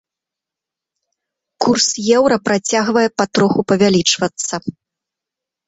Курс еўра працягвае патроху павялічвацца.